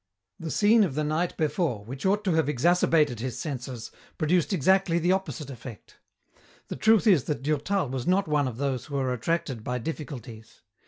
The scene of the night before, which ought to have exacerbated his senses, produced exactly the opposite effect. The truth is that Durtal was not of those who are attracted by difficulties.